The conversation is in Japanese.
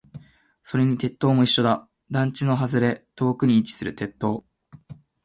それに鉄塔も一緒だ。団地の外れ、遠くに位置する鉄塔。